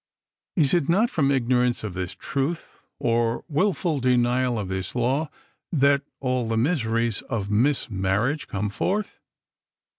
Is it not from ignorance of this truth, or wilful denial of this law, that all the miseries of mismarriage come forth?